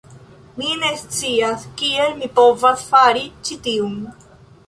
Mi ne scias kiel mi povas fari ĉi tiun.